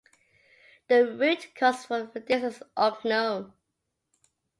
The root cause for this is unknown.